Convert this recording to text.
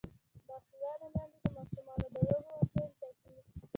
باسواده میندې د ماشومانو د لوبو وسایل ټاکي.